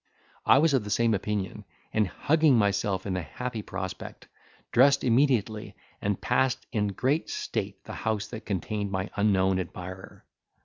I was of the same opinion, and, hugging myself in the happy prospect, dressed immediately, and passed in great state the house that contained my unknown admirer.